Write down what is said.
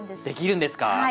できるんですか？